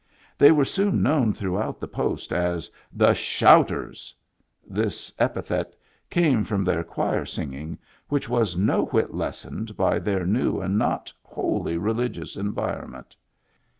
They were soon known throughout the post as "The Shouters." This epithet came from their choir singing, which was no whit lessened by their new and not wholly religious environment.